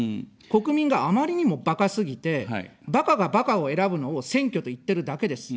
国民があまりにも、ばかすぎて、ばかがばかを選ぶのを選挙と言ってるだけです。